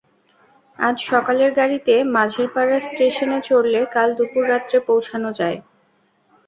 আজ সকালের গাড়িতে মাঝেরপাড়া স্টেশনে চড়লে কাল দুপুর-রাত্রে পৌছানো যায়।